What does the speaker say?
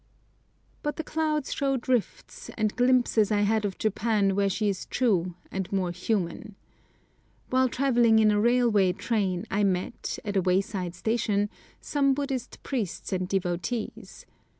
But the clouds showed rifts, and glimpses I had of Japan where she is true and more human. While travelling in a railway train I met, at a wayside station, some Buddhist priests and devotees.